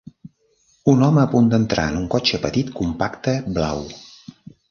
Un home a punt d'entrar en un cotxe petit compacte blau.